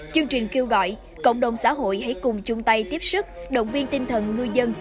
chương trình kêu gọi cộng đồng xã hội hãy cùng chung tay tiếp sức động viên tinh thần ngư dân